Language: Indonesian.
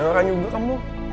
jangan nganjur kamu